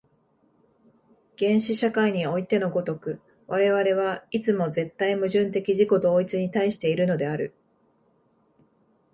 原始社会においての如く、我々はいつも絶対矛盾的自己同一に対しているのである。